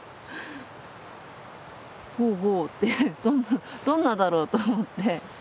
ほうほうってどんなだろうと思って。